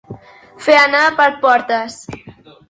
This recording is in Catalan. Fer anar per portes.